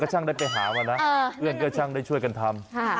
ช่างได้ไปหามานะเพื่อนก็ช่างได้ช่วยกันทำ